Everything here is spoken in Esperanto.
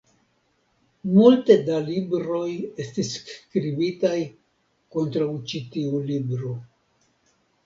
Multe da libroj estis skribitaj kontraŭ ĉi tiu libro.